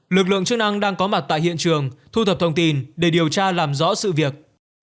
lực lượng chức năng đang có mặt tại hiện trường thu thập thông tin để điều tra làm rõ sự việc